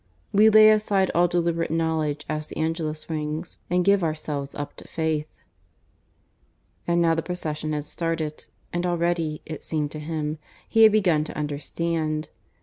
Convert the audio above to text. We lay aside all deliberate knowledge as the Angelus rings, and give ourselves up to faith." And now the procession had started, and already, it seemed to him, he had begun to understand.